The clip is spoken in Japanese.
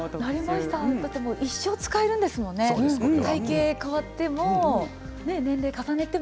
一生、使えるんですものね体形が変わっても年齢を重ねても。